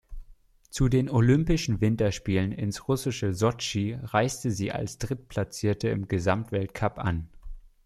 Zu den Olympischen Winterspielen ins russische Sotschi reiste sie als Drittplatzierte im Gesamtweltcup an.